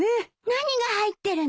何が入ってるの？